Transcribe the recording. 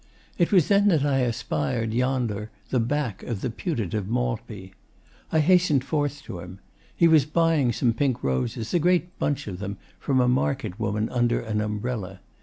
It was then that I espied yonder the back of the putative Maltby. I hastened forth to him. He was buying some pink roses, a great bunch of them, from a market woman under an umbrella.